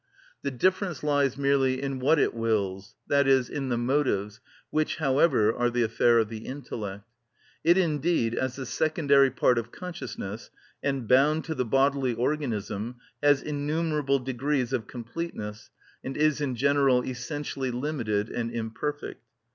The difference lies merely in what it wills, i.e., in the motives, which, however, are the affair of the intellect. It indeed, as the secondary part of consciousness, and bound to the bodily organism, has innumerable degrees of completeness, and is in general essentially limited and imperfect.